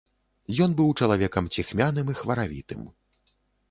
Ён быў чалавекам ціхмяным і хваравітым.